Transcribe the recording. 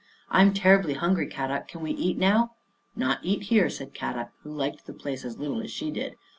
I'm terribly hungry, Kadok, can we eat now? "" Not eat here," said Kadok, who liked the place as little as she did.